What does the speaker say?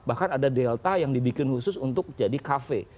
bahkan ada delta yang dibikin khusus untuk jadi kafe